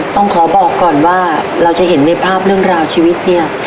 ต้องขอบอกก่อนว่าเราจะเห็นในภาพเรื่องราวชีวิตเนี่ย